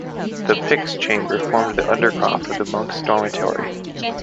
The Pyx Chamber formed the undercroft of the monks' dormitory.